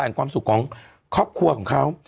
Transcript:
ความสุขของครอบครัวของเขา